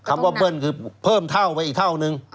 คำว่าเบิ้ลคือเพิ่มเท่าไปอีกเท่านึง